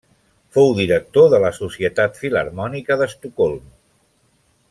Fou director de la Societat Filharmònica d'Estocolm.